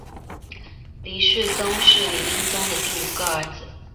黎世宗是黎英宗的第五个儿子。